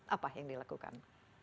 apa yang dilakukan